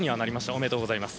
おめでとうございます。